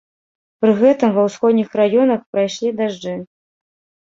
Пры гэтым ва ўсходніх раёнах прайшлі дажджы.